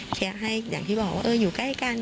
ให้อย่างที่บอกว่าอยู่ใกล้กัน